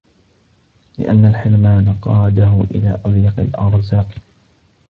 لِأَنَّ الْحِرْمَانَ قَادَهُ إلَى أَضْيَقِ الْأَرْزَاقِ